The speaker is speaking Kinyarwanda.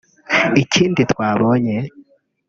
ikindi twabonye